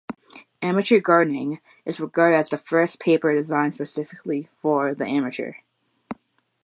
"Amateur Gardening" is regarded as the first paper designed specifically for the amateur.